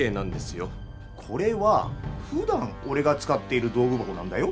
これはふだんおれが使っている道具箱なんだよ。